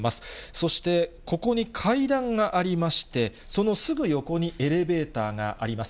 そしてここに階段がありまして、そのすぐ横にエレベーターがあります。